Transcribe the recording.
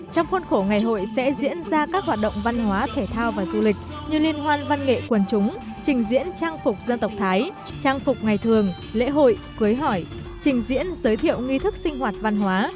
trong khuôn khổ ngày hội sẽ diễn ra các hoạt động văn hóa thể thao và du lịch như liên hoan văn nghệ quần chúng trình diễn trang phục dân tộc thái trang phục ngày thường lễ hội cưới hỏi trình diễn giới thiệu nghi thức sinh hoạt văn hóa